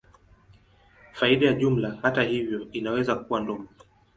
Faida ya jumla, hata hivyo, inaweza kuwa ndogo.